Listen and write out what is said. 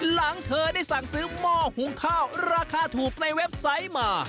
หลังเธอได้สั่งซื้อหม้อหุงข้าวราคาถูกในเว็บไซต์มา